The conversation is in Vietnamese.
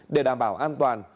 để đảm bảo an toàn